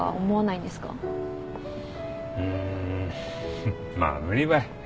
フッまあ無理ばい。